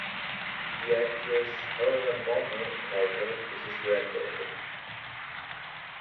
The actress Helena Bonham Carter is his granddaughter.